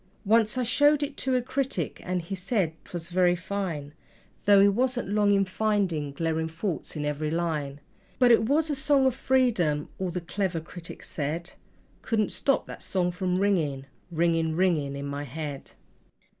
Once I showed it to a critic, and he said 'twas very fine, Though he wasn't long in finding glaring faults in every line; But it was a song of Freedom all the clever critic said Couldn't stop that song from ringing, ringing, ringing in my head.